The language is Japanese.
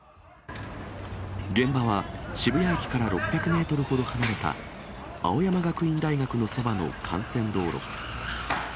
現場は渋谷駅から６００メートルほど離れた、青山学院大学のそばの幹線道路。